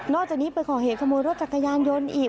จากนี้ไปก่อเหตุขโมยรถจักรยานยนต์อีก